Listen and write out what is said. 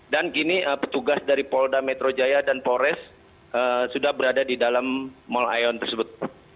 dan kini petugas dari polda metro jaya dan polres sudah berada di dalam mall aeon tersebut